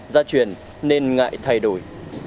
gia truyền nên ngại thay đổi